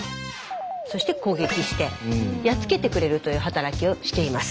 そして攻撃してやっつけてくれるという働きをしています。